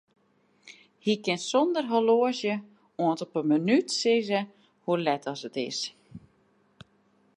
Hy kin sonder horloazje oant op 'e minút sizze hoe let as it is.